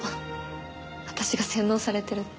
私が洗脳されてるって。